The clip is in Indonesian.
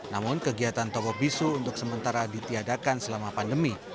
namun kegiatan toko bisu untuk sementara ditiadakan selama pandemi